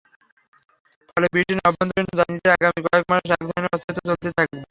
ফলে, ব্রিটেনের অভ্যন্তরীণ রাজনীতিতে আগামী কয়েক মাস একধরনের অস্থিরতা চলতেই থাকবে।